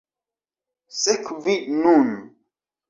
Sekvi nun!